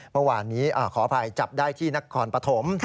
เมื่อวานนี้ขออภัยจับได้ที่นครปฐม